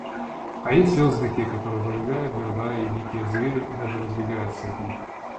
А есть слёзы такие, которые «выжигают города, и дикие звери даже разбегаются» от них.